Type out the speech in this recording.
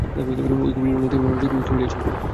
উইকিপিডিয়ার নীতিমালা অনুসারে উইকিপিডিয়া চলবে।